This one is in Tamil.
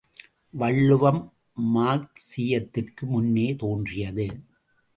வள்ளுவம், மார்க்சீயத்திற்கு முன்னே தோன்றியது.